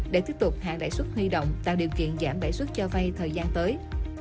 để tiếp tục hạ lãi suất huy động tạo điều kiện giảm lãi suất cho vay thời gian tới